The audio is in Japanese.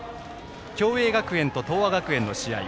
共栄学園と東亜学園の試合。